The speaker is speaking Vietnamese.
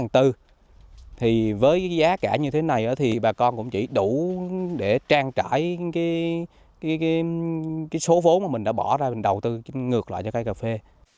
thì với giá cả như thế này thì bà con cũng chỉ đủ để trang trải cái số vốn mà mình đã bỏ ra mình đầu tư ngược lại cho cây cà phê